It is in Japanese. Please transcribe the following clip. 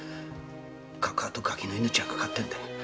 カカアとガキの命がかかってるんだ。